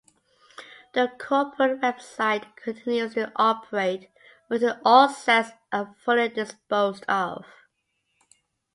The corporate website continues to operate until all assets are fully disposed of.